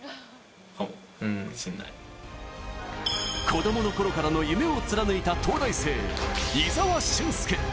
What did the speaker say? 子供のころからの夢を貫いた東大生、井澤駿介。